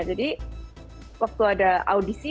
jadi waktu ada audisi